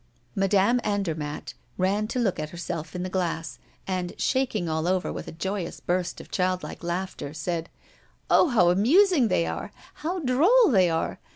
Madame Andermatt ran to look at herself in the glass, and, shaking all over with a joyous burst of childlike laughter, said: "Oh! how amusing they are, how droll they are!